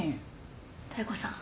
妙子さん。